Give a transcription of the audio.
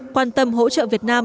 quan tâm hỗ trợ việt nam